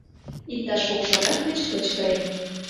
Иктаж кок шагат гыч кычкыре.